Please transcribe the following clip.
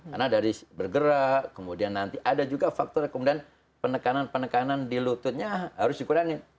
karena dari bergerak kemudian nanti ada juga faktor kemudian penekanan penekanan di lututnya harus dikurangi